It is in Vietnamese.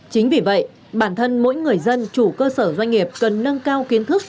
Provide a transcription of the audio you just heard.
chính vì vậy bản thân mỗi người dân chủ cơ sở doanh nghiệp cần nâng cao kiến thức